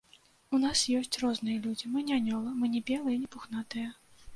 У нас ёсць розныя людзі, мы не анёлы, мы не белыя і не пухнатыя.